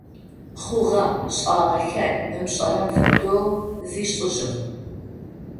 Хъугъэ-шӀагъэхэр ымышӀэрэм фэдэу зишӀыжьыгъ.